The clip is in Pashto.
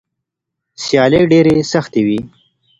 سیالۍ ډېرې سختې وي.